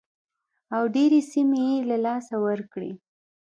او ډېرې سیمې یې له لاسه ورکړې.